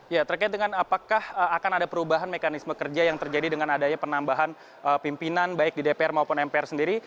ya terkait dengan apakah akan ada perubahan mekanisme kerja yang terjadi dengan adanya penambahan pimpinan baik di dpr maupun mpr sendiri